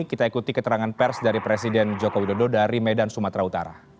kita ikuti keterangan pers dari presiden joko widodo dari medan sumatera utara